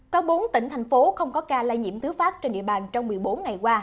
có bốn tỉnh thành phố không có ca lây nhiễm thứ phát trên địa bàn trong một mươi bốn ngày qua